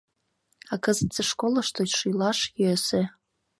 А кызытсе школышто шӱлаш йӧсӧ.